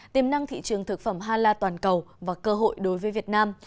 tiềm năng thị trường thực phẩm hala toàn cầu và cơ hội đối với việt nam